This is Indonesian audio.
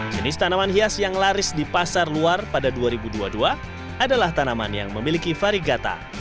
jenis tanaman hias yang laris di pasar luar pada dua ribu dua puluh dua adalah tanaman yang memiliki varigata